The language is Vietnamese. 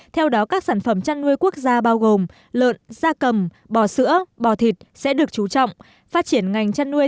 theo đó các sản phẩm chăn nuôi quốc gia bao gồm lợn da cầm bò sữa bò thịt sẽ được chú trọng phát triển ngành chăn nuôi